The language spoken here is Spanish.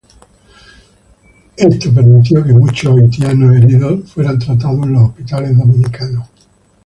Esto permitió que muchos haitianos heridos fueran tratados en los hospitales dominicanos.